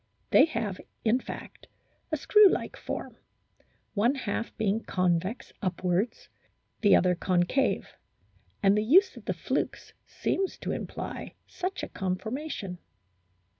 They have, in fact, a screw like form one half being convex upwards, the other concave ; and the use of the flukes seems to imply such a confor mation.